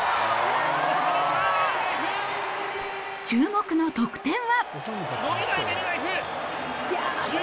注目の得点は。